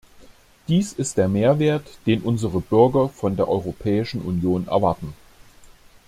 Dies ist der Mehrwert, den unsere Bürger von der Europäischen Union erwarten.